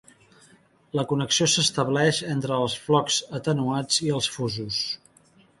La connexió s'estableix entre els flocs atenuats i els fusos.